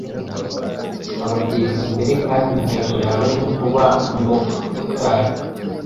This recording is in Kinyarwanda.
abatezimbere kandi intego yawe nukuba umuitari